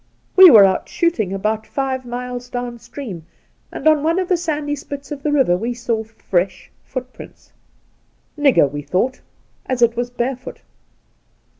We were out shooting about five mUes down stream, and on one of the sandy spits of the river we saw fresh footprints. Nigger, we thought, as it was barefoot.